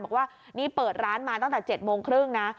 บอกว่านี่เปิดร้านมาตั้งแต่๗โมงครึ่งนะ